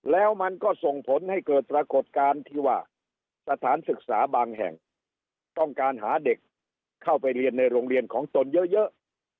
แล้วมันก็ส่งผลให้เกิดปรากฏการณ์ที่ว่าสถานศึกษาบางแห่งต้องการหาเด็กเข้าไปเรียนในโรงเรียนของตนเยอะ